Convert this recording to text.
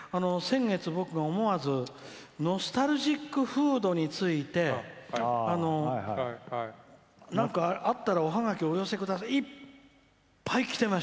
先月、僕が思わずノスタルジックフードについてなんかあったらおハガキお寄せくださいって。